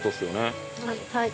はい。